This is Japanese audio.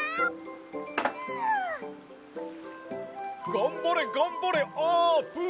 がんばれがんばれあーぷん！